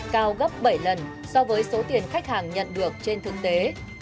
cao gấp bảy lần so với số tiền khách hàng nhận được trên thương tế